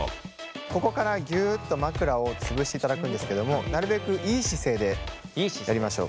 ここからギュッと枕を潰していただくんですけれどもなるべくいい姿勢でやりましょう。